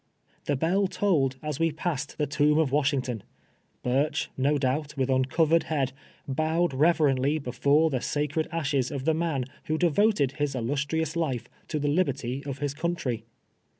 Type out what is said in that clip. Tlie hell tolled as we passed the toml) of Washington ! Burch, no douht, with un covered head, howed reverently hefoi o the sacred ash es of the man wlio devoted his illustrious life to the liherty of his country.